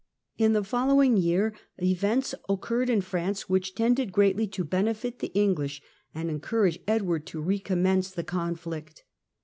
In the following year, events occurred in France which Disputed tended greatly to benefit the English and encouraged Ed in Brit *'" ward to recommence the conflict.